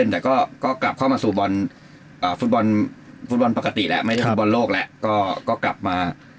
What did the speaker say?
แต่ก็กลับเข้าวันปกติแหละไม่ได้ฟุตบอลโลกแหละก็กลับมานี่